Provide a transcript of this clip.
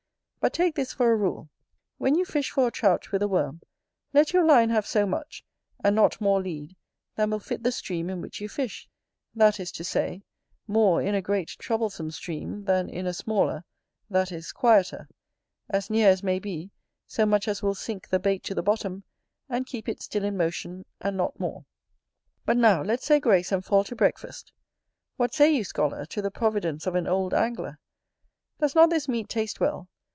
But take this for a rule, When you fish for a Trout with a worm, let your line have so much, and not more lead than will fit the stream in which you fish; that is to say, more in a great troublesome stream than in a smaller that is quieter; as near as may be, so much as will sink the bait to the bottom, and keep it still in motion, and not more. But now, let's say grace, and fall to breakfast. What say you, scholar, to the providence of an old angler? Does not this meat taste well?